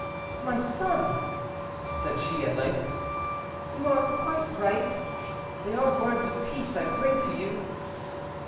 "My son," said she at length, "you are quite right; they are words of peace I bring to you."